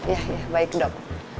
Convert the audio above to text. ya ya baik dok